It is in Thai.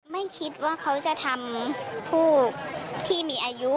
ไม่คิดว่าเขาจะทำผู้ที่มีอายุ